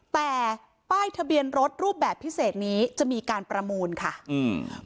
แต่ป้ายทะเบียนรถรูปแบบพิเศษนี้จะมีการประมูลค่ะอืม